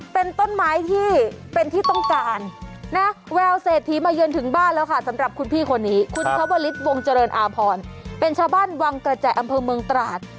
เป็นต้นไม้ที่เป็นที่ต้องการนะแววเศรษฐีมาเยือนถึงบ้านแล้วค่ะสำหรับคุณพี่คนนี้คุณชาวลิศวงเจริญอาพรเป็นชาวบ้านวังกระแจอำเภอเมืองตราด